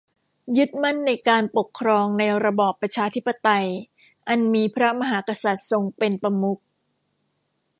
ยึดมั่นในการปกครองในระบอบประชาธิปไตยอันมีพระมหากษัตริย์ทรงเป็นประมุข